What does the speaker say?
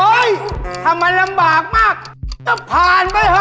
โอ๊ยถ้ามันนำบากมากต้องผ่านไปเถอะ